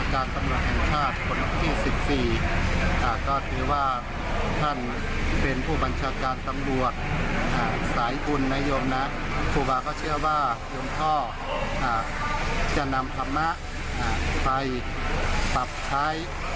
ครับผมนะครูบาเขาเชื่อว่าลมท่อจะนำธรรมะไปปรับใช้